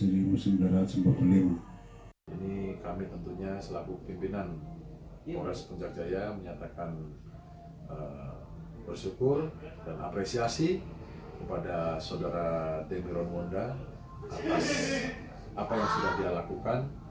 kapolres puncak jaya menyatakan bersyukur dan apresiasi kepada saudara demiron wonda atas apa yang sudah dia lakukan